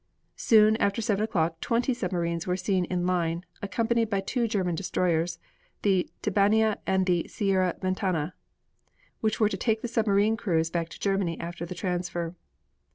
Soon after seven o'clock twenty submarines were seen in line, accompanied by two German destroyers, the Tibania and the Sierra Ventana, which were to take the submarine crews back to Germany after the transfer.